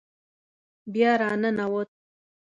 بیا را ننوت.